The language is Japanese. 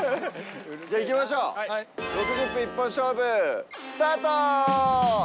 じゃあ行きましょう「６０分一本勝負」。